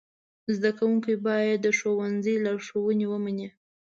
زده کوونکي باید د ښوونکي لارښوونې ومني.